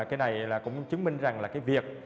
cái này cũng chứng minh rằng là cái việc